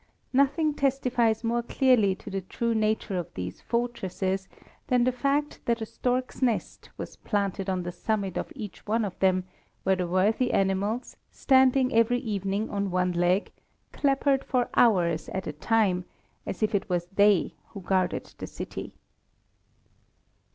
Nothing testifies more clearly to the true nature of these fortresses than the fact that a stork's nest was planted on the summit of each one of them, where the worthy animals, standing every evening on one leg, clappered for hours at a time, as if it was they who guarded the city.